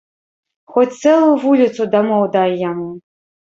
Хоць цэлую вуліцу дамоў дай яму.